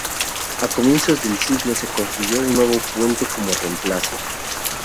A comienzos del siglo se construyó un nuevo puente como reemplazo.